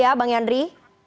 bagaimana bang yandri